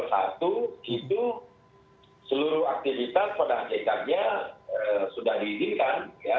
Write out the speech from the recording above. itu seluruh aktivitas pada saatnya sudah diizinkan ya